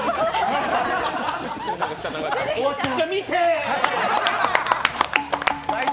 見て。